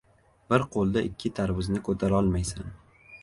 • Bir qo‘lda ikki tarvuzni ko‘tarolmaysan.